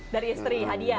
dari istri hadiah